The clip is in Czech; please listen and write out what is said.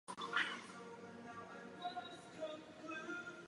Pojmenování modelů Ferrari se v průběhu času měnilo.